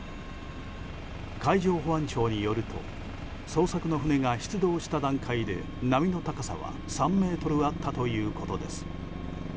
海上保安庁によると捜索の船が出動した段階で波の高さは３ｍあったということです。